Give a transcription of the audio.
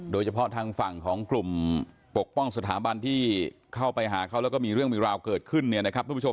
โดยเฉพาะทางฝั่งของกลุ่มปกป้องสถาบันที่เข้าไปหาเขาแล้วก็มีเรื่องราวเกิดขึ้น